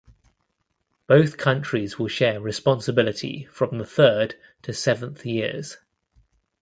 Both countries will share responsibility from the third to seventh years.